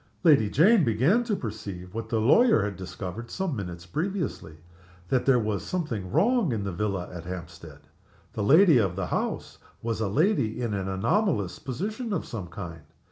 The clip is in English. Lady Jane began to perceive, what the lawyer had discovered some minutes previously that there was something wrong in the villa at Hampstead. The lady of the house was a lady in an anomalous position of some kind.